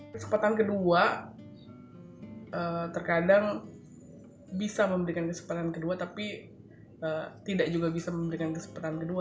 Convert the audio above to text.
kesempatan kedua terkadang bisa memberikan kesempatan kedua tapi tidak juga bisa memberikan kesempatan kedua